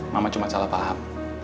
mama cuma salah paham